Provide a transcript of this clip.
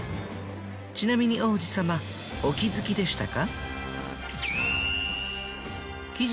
ちなみに王子様お気づきでしたか？